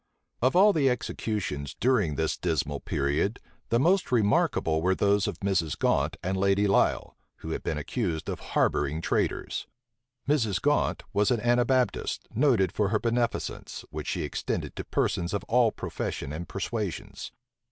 Of all the executions, during this dismal period, the most remarkable were those of Mrs. Gaunt and Lady Lisle, who had been accused of harboring traitors. Mrs. Gaunt was an Anabaptist, noted for her beneficence, which she extended to persons of all profession and persuasions.